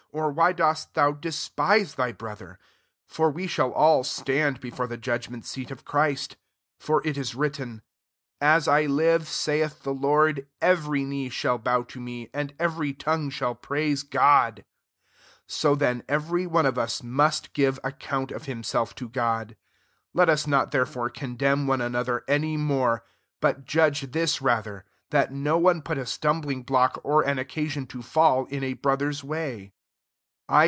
or why dosi thou despise thy brother? for we shall all stand before the jud^ ment seat of Christ. 11 For i^ is written, *' M I live, saith da Lord, every knee shall bow IB me, and every tongue abdl praise God." 12 So then ever^ one of us must give account (^ himself to God. 13 Let nsnol therefore condemn one anotfad any more: but judge this that no one put a atnai' block, or an occasion to Ml, a brother's way.